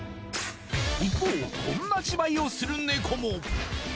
一方こんな芝居をするネコも！